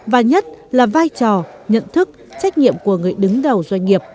và nhất là vai trò nhận thức trách nhiệm của người đứng đầu doanh nghiệp